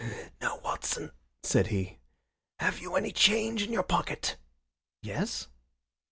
"Now, Watson," said he. "Have you any change in your pocket?" "Yes."